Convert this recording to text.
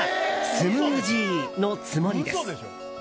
スムージーのつもりです。